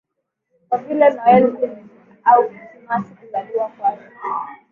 kama vile Noeli au Krismasi kuzaliwa kwake